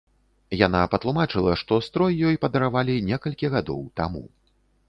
Яна патлумачыла, што строй ёй падаравалі некалькі гадоў таму.